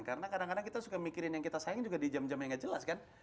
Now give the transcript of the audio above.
karena kadang kadang kita suka mikirin yang kita sayang juga di jam jam yang gak jelas kan